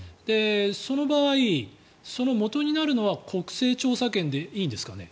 その場合、そのもとになるのは国政調査権でいいんですかね。